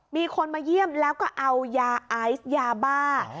มีคนมาเยี่ยมแล้วก็เอายาไอซ์ยาบ้า